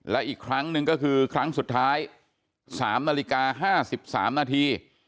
และอีกครั้งหนึ่งก็คือครั้งสุดท้าย๓นาฬิกา๕๓นาที